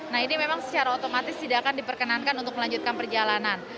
nah ini memang secara otomatis tidak akan diperkenankan untuk melanjutkan perjalanan